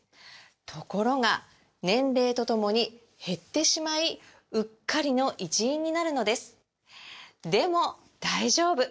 ところが年齢とともに減ってしまいうっかりの一因になるのですでも大丈夫！